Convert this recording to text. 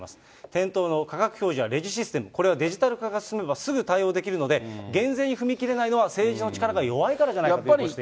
店頭の価格表示やレジシステム、これはデジタル化が進めばすぐ対応できるので、減税に踏み切れないのは政治の力が弱いからじゃないかとご指摘。